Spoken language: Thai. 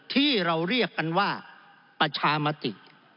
ที่เราเรียกกันว่าประชามติ